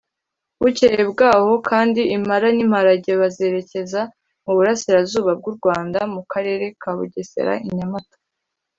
Bukeye bwaho kandi Impala n’Impalage bazerekeza mu Burasirazuba bw’u Rwanda mu Karere ka Bugesera i Nyamata